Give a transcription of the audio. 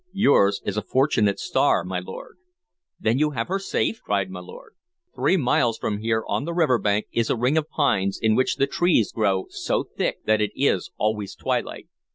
Yours is a fortunate star, my lord." "Then you have her safe?" cried my lord. "Three miles from here, on the river bank, is a ring of pines, in which the trees grow so thick that it is always twilight.